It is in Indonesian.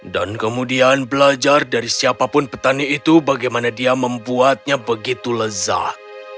kemudian belajar dari siapapun petani itu bagaimana dia membuatnya begitu lezat